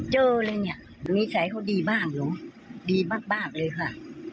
เจออะไรเนี่ยนิสัยเขาดีบ้างเหรอดีมากเลยค่ะ